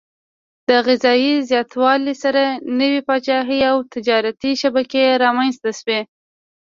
د غذايي زیاتوالي سره نوي پاچاهي او تجارتي شبکې رامنځته شوې.